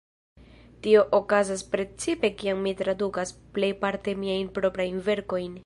Tio okazas precipe kiam mi tradukas, plejparte miajn proprajn verkojn.